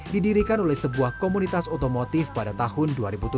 didirikan oleh sebuah komunitas otomotif pada tahun dua ribu tujuh